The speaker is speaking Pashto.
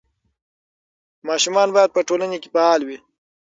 ماشومان باید په ټولنه کې فعال وي.